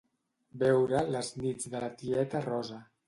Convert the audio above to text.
Veure "Les nits de la tieta Rosa".